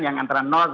yang antara